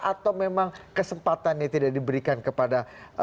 atau memang kesempatannya tidak diberikan kepada